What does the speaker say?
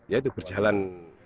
ya itu berjalan